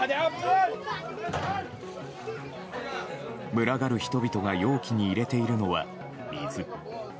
群がる人々が容器に入れているのは水。